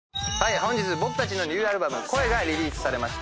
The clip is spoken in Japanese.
本日僕たちのニューアルバム『声』がリリースされました。